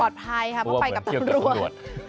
ปลอดภัยครับเพราะว่าไปกับตำรวจ